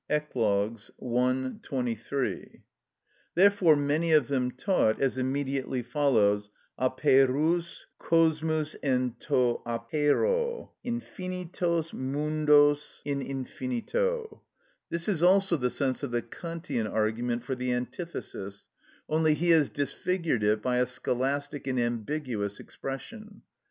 Ecl., i. c. 23. Therefore many of them taught (as immediately follows), απειρους κοσμους εν τῳ απειρῳ (infinitos mundos in infinito). This is also the sense of the Kantian argument for the antithesis, only he has disfigured it by a scholastic and ambiguous expression.